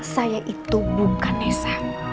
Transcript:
saya itu bukan nessa